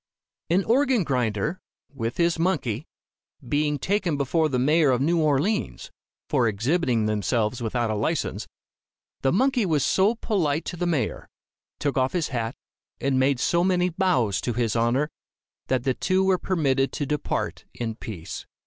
An organ grinder, with his monkey, being taken before the mayor of New Orleans, for exhibiting themselves without a license, the monkey was so polite to the mayor, took off his cap and made so many bows to his honor, that the two were permitted to depart in peace.